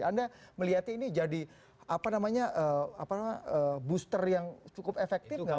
anda melihat ini jadi apa namanya booster yang cukup efektif gak